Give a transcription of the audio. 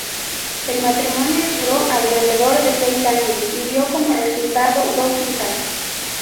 El matrimonio duró alrededor de seis años y dio como resultado dos hijas.